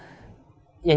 yang jelas tidak